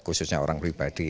khususnya orang pribadi ini